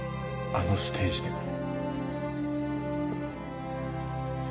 あのステージで。